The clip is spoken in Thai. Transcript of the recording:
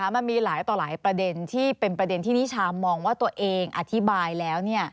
มันมีหลายต่อหลายประเด็นที่เป็นประเด็นที่นิชามองว่าตัวเองอธิบายแล้ว